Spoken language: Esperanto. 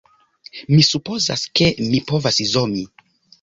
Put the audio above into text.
Mi supozas, ke mi povas zomi